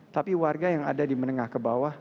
tapi warga yang ada di menengah ke bawah